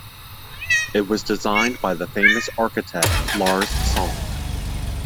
It was designed by the famous architect Lars Sonck.